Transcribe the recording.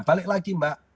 balik lagi mbak